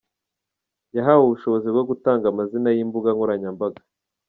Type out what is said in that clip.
yahawe ubushobozi bwo gutanga amazina y’imbuga Nkoranya mbaga